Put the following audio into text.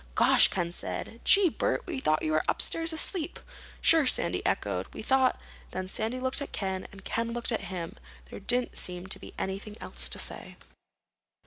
"Gosh!" Ken said. "Gee, Bert—we thought you were upstairs asleep!" "Sure," Sandy echoed. "We thought—" Then Sandy looked at Ken and Ken looked at him. There didn't seem to be anything else to say.